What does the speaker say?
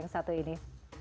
yang satu ini